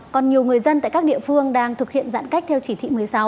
còn nhiều người dân tại các địa phương đang thực hiện giãn cách theo chỉ thị một mươi sáu